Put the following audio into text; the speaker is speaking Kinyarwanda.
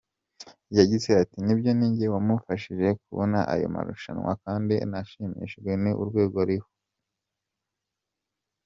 Yagize ati “ Nibyo ninjye wamufashije kubona ayo marushanwa kandi nashimishijwe ni urwego ariho.